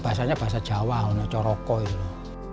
biasanya bahasa jawa coroko itu